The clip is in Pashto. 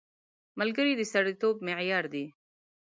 ملګری د سړیتوب معیار دی